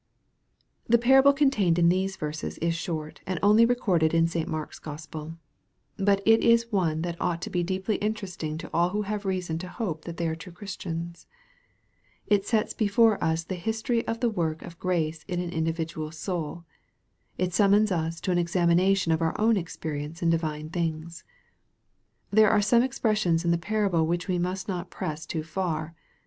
THE parable contained in these verses is short, and only recorded in St. Mark's Gospel. But it is one that ought to be deeply interesting to all who have reason to hope that they are true Christians. It sets before us the history of the work of grace in an individual soul. It summons us to an examination of our own experience in divine things. There are some expressions in the parable which we must not press too far.